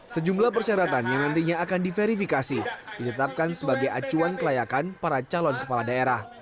sejumlah persyaratan yang nantinya akan diverifikasi ditetapkan sebagai acuan kelayakan para calon kepala daerah